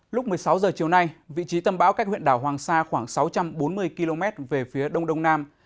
lúc một mươi sáu h chiều nay vị trí tâm bão cách huyện đảo hoàng sa khoảng sáu trăm bốn mươi km về phía đông đông nam